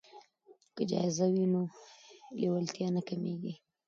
که جایزه وي نو لیوالتیا نه کمیږي.